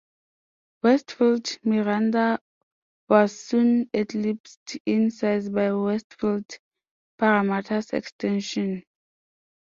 Westfield Miranda was soon eclipsed in size by Westfield Parramatta's extension.